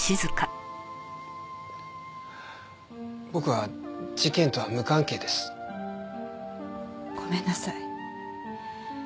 僕は事件とは無関係です。ごめんなさい。